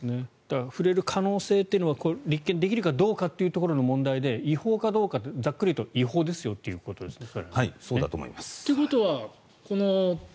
触れる可能性というのは立件できるかどうかというところの問題で違法かどうか、ざっくり言うと違法ですということですね。